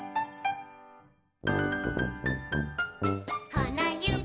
「このゆび